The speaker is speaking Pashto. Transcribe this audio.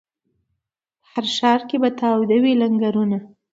په هر ښار کي به تاوده وي لنګرونه